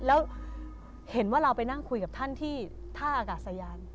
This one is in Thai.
แล้วเห็นว่าเราไปนั่งคุยกับท่านที่ท่าอากาศยาน